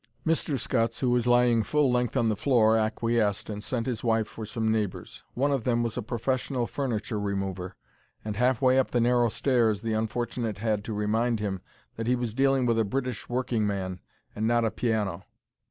Mr. Scutts, who was lying full length on the floor, acquiesced, and sent his wife for some neighbours. One of them was a professional furniture remover, and, half way up the narrow stairs, the unfortunate had to remind him that he was dealing with a British working man, and not a piano.